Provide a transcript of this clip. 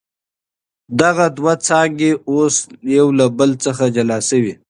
دغه دوه څانګي اوس يو له بل څخه جلا سوې.